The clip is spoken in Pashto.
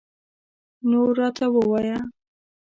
نور راته ووایه